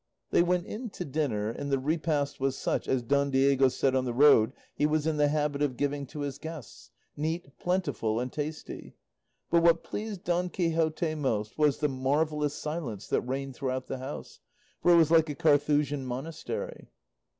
They went in to dinner, and the repast was such as Don Diego said on the road he was in the habit of giving to his guests, neat, plentiful, and tasty; but what pleased Don Quixote most was the marvellous silence that reigned throughout the house, for it was like a Carthusian monastery.